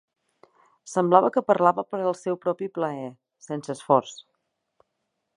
Semblava que parlava per al seu propi plaer, sense esforç.